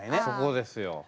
そこですよ。